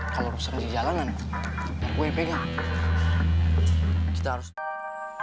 kalo rusak di jalanan ada gue dipegang